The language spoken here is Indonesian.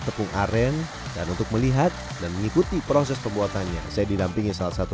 tepung aren dan untuk melihat dan mengikuti proses pembuatannya saya didampingi salah satu